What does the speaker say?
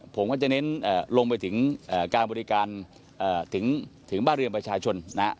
ผมก็จะเน้นลงไปถึงการบริการถึงบ้านเรือนประชาชนนะฮะ